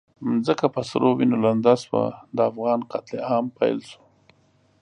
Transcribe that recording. ځمکه په سرو وینو لنده شوه، د افغان قتل عام پیل شو.